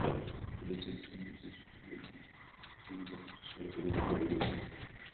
প্রবল-ইচ্ছাশক্তিসম্পন্ন যে-সকল মানব জগতে জন্মিয়াছেন, তাঁহারা সকলেই প্রচণ্ড কর্মী ছিলেন।